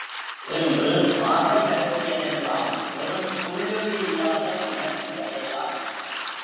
இன்று ஆசை, அரசியல் எல்லாம் வெறும் உள்ளீடில்லாத உணர்ச்சிகளேயாம்.